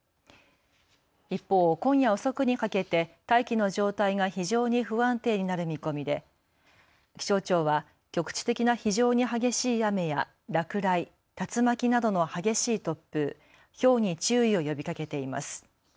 一方、今夜遅くにかけて大気の状態が非常に不安定になる見込みで気象庁は局地的な非常に激しい雨や落雷、竜巻などの激しい突風、ひょうに注意を呼びかけています。